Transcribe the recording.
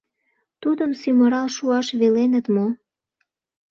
Тудым сӱмырал шуаш веленыт мо?